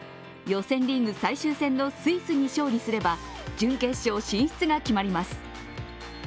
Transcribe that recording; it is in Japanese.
予選リーグ最終戦のスイスに勝利すれば準決勝進出が決まります。